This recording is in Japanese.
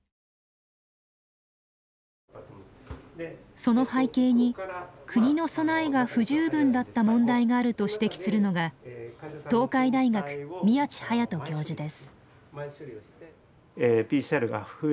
その背景に国の備えが不十分だった問題があると指摘するのが東海大学宮地勇人教授です。